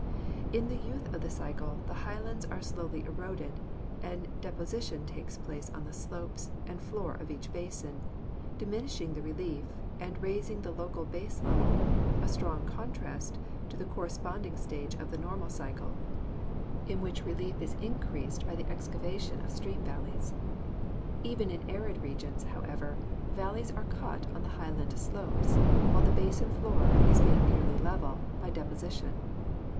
"In the youth of the cycle the highlands are slowly eroded, and deposition takes place on the slopes and floor of each basin, diminishing the relief and raising the local base level, a strong contrast to the corresponding stage of the normal cycle, in which relief is increased by the ex 182 GEOLOGY cavation of stream valleys. Even in arid regions, however, valleys are cut on the highland slopes, while the basin floor is made nearly level by deposition.